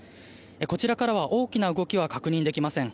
こちらからは大きな動きは確認できません。